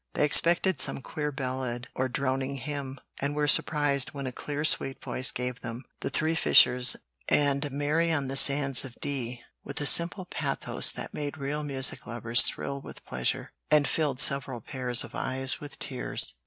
They expected some queer ballad or droning hymn, and were surprised when a clear sweet voice gave them "The Three Fishers" and "Mary on the Sands of Dee" with a simple pathos that made real music lovers thrill with pleasure, and filled several pairs of eyes with tears.